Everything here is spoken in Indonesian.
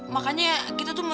makanya kita tuh mau berbicara